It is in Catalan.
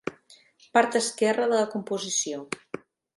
Part esquerre de la composició.